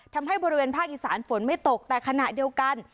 ทำให้บริเวณภาคอีสานฝนไม่ตกแต่ขณะเดียวกัน